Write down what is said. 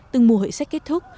từng mùa hội sách kết thúc